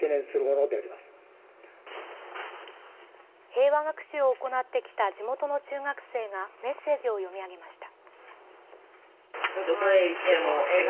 平和学習を行ってきた地元の中学生がメッセージを読み上げました。